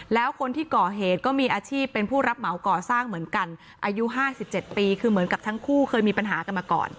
แล้วคนที่ก่อเหตุก็มีอาชีพเป็นผู้รับเหมาก่อสร้างเหมือนกันอายุ๕๗ปีคือเหมือนกับทั้งคู่เคยมีปัญหากันมาก่อน